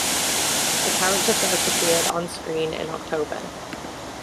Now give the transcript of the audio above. The character first appeared on screen in October.